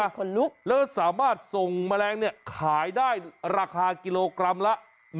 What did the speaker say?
ขนลุกแล้วสามารถส่งแมลงเนี่ยขายได้ราคากิโลกรัมละ